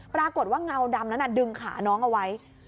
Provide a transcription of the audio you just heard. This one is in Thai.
ปรากฏว่าเงาดำนั้นดึงขาน้องเอาไว้